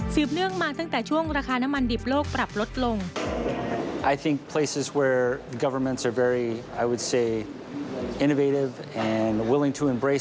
เนื่องมาตั้งแต่ช่วงราคาน้ำมันดิบโลกปรับลดลง